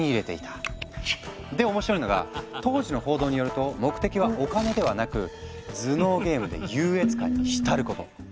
で面白いのが当時の報道によると目的はお金ではなく「頭脳ゲームで優越感に浸ること」。